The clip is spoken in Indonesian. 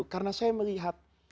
karena saya melihat